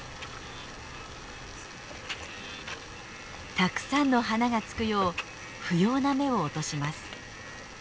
たくさんの花がつくよう不要な芽を落とします。